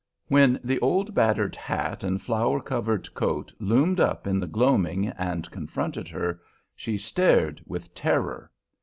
When the old battered hat and flour covered coat loomed up in the gloaming and confronted her, she stared with terror.